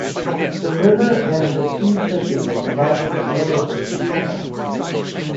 The river and the two churches divided the village in two parts.